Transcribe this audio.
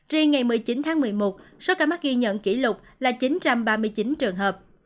riêng ngày một mươi chín tháng một mươi một số ca mắc ghi nhận kỷ lục là chín trăm ba mươi chín trường hợp